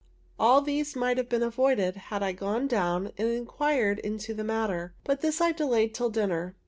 All these might have been avoided, had I gone down and inquired into the matter; but this I delayed till dinner.